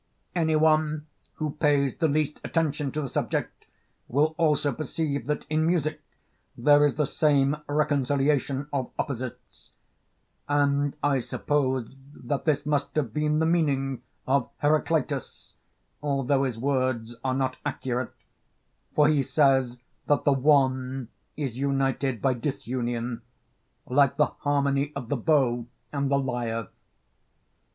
Any one who pays the least attention to the subject will also perceive that in music there is the same reconciliation of opposites; and I suppose that this must have been the meaning of Heracleitus, although his words are not accurate; for he says that The One is united by disunion, like the harmony of the bow and the lyre.